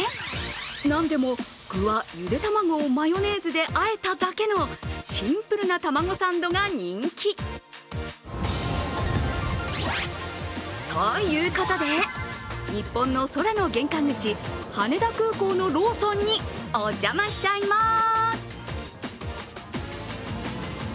なんでも具はゆで卵をマヨネーズであえただけのシンプルなタマゴサンドが人気。ということで、日本の空の玄関口羽田空港のローソンにお邪魔しちゃいまーす！